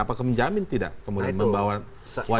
apa menjamin tidak kemudian membawa wajah baru